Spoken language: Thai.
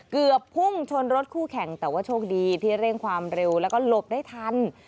เกือบพุ่งชนรถคู่แข่งแต่ว่าโชคดีที่เร่งความเร็วแล้วก็หลบได้ทัน